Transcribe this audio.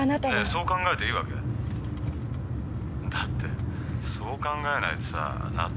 そう考えていいわけ？だってそう考えないとさ納得できないんだよ。